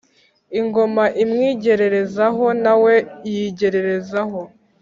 ingoma imwigereza ho na we yigereza ho,